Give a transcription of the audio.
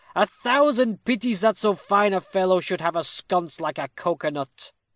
"A thousand pities that so fine a fellow should have a sconce like a cocoanut!"